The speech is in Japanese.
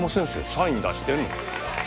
サイン出してんの？